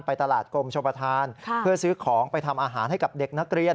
ตลาดกรมชมประธานเพื่อซื้อของไปทำอาหารให้กับเด็กนักเรียน